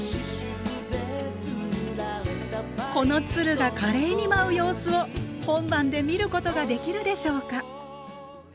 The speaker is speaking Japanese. この鶴が華麗に舞う様子を本番で見ることができるでしょうか。